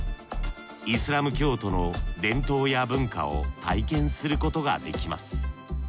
イスラム教徒の伝統や文化を体験することができます。